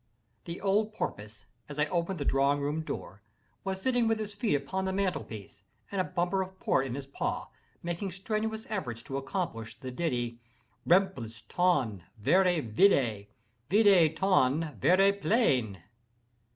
The old porpoise, as I opened the drawing room door, was sitting with his feet upon the mantel piece, and a bumper of port in his paw, making strenuous efforts to accomplish the ditty. Remplis ton verre vide! Vide ton verre plein!